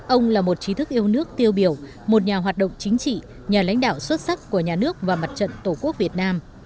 ông là một trí thức yêu nước tiêu biểu một nhà hoạt động chính trị nhà lãnh đạo xuất sắc của nhà nước và mặt trận tổ quốc việt nam